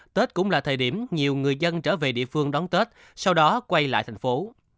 tết cũng là thời điểm nhiều người dân trở về địa phương đón tết sau đó quay lại thành phố